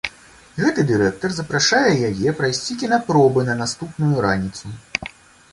Гэты дырэктар запрашае яе прайсці кінапробы на наступную раніцу.